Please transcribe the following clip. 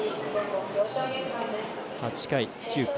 ８回、９回。